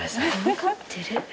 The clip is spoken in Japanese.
わかってる。